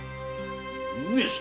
上様！